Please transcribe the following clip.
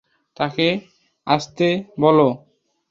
তাকে আসতে বলো।